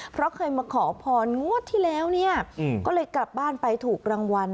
เพราะเคยมาขอพรงวดที่แล้วเนี่ยก็เลยกลับบ้านไปถูกรางวัล